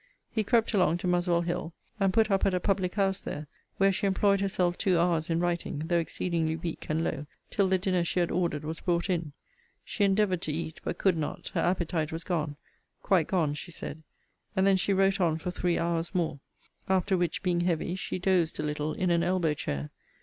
He crept along to Muswell hill, and put up at a public house there; where she employed herself two hours in writing, though exceedingly weak and low, till the dinner she had ordered was brought in: she endeavoured to eat, but could not: her appetite was gone, quite gone, she said. And then she wrote on for three hours more: after which, being heavy, she dozed a little in an elbow chair.